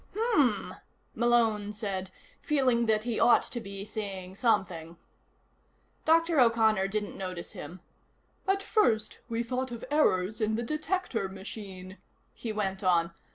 "Hmm," Malone said, feeling that he ought to be saying something. Dr. O'Connor didn't notice him. "At first we thought of errors in the detector machine," he went on.